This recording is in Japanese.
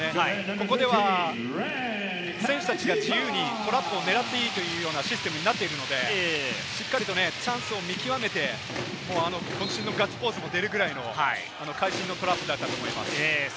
ここでは選手たちが自由にトラップを狙っていいというようなシステムになっているので、しっかりとチャンスを見極めて、こん身のガッツポーズが出るくらいの会心のトラップだったと思います。